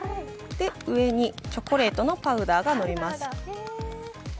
上にチョコレートのパウダーがのります。